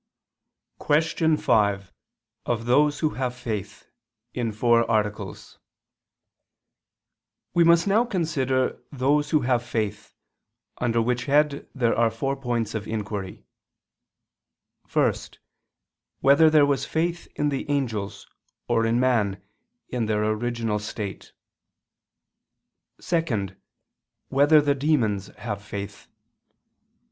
_______________________ QUESTION 5 OF THOSE WHO HAVE FAITH (In Four Articles) We must now consider those who have faith: under which head there are four points of inquiry: (1) Whether there was faith in the angels, or in man, in their original state? (2) Whether the demons have faith?